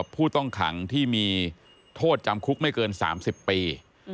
ผู้ต้องขังที่มีโทษจำคุกไม่เกิน๓๐ปี